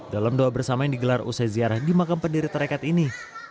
dalam doa bersama yang digelar usai ziarah di makam pendiri tarekat ini